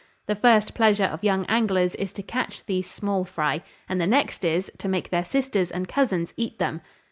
The first pleasure of young anglers is to catch these small fry; and the next is, to make their sisters and cousins eat them.